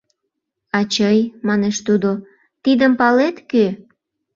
— Ачый, — манеш тудо, — тидым палет, кӧ?